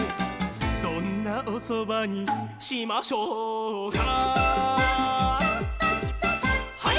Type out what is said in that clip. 「『どんなおそばにしましょうか？』」「」「ハイ！」